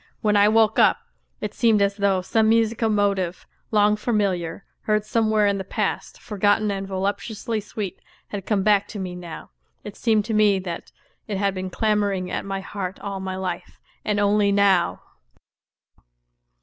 ... When I woke up it seemed as though some musical motive long familiar, heard somewhere in the past, forgotten and voluptuously sweet, had come back to me now. It seemed to me that it had been clamouring at my heart all my life, and only now.